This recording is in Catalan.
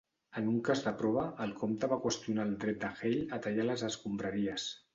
En un cas de prova, el comte va qüestionar el dret de Hale a tallar les escombraries.